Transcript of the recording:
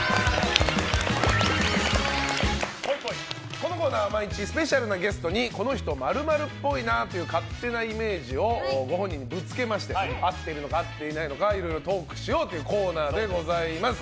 このコーナーは毎日スペシャルなゲストにこの人○○っぽいなという勝手なイメージをご本人にぶつけまして合っているかどうかいろいろトークしようというコーナーでございます。